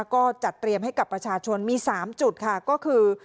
ก็จัดเตรียมให้กับประชาชนมี๓จุดค่ะก็คือ